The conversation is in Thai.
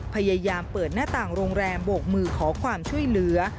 พยายามเปิดหน้าต่างโรงแรมโบกมือขอความช่วยเหลือ